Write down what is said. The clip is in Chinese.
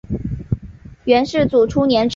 元世祖初年置。